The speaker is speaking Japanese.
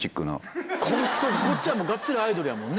こっちはがっつりアイドルやもんね